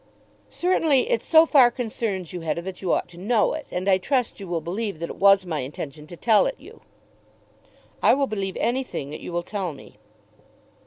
"Certainly it so far concerns you, Hetta, that you ought to know it. And I trust you will believe that it was my intention to tell it you." "I will believe anything that you will tell me."